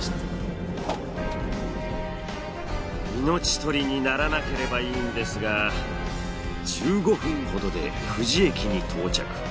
命取りにならなければいいんですが１５分ほどで富士駅に到着。